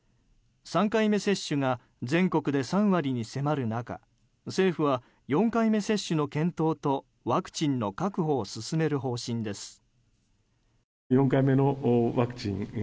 ３回目接種が全国で３割に迫る中政府は４回目接種の検討とワクチンの確保を進める方針です。